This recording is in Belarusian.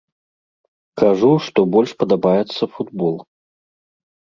Кажу, што больш падабаецца футбол.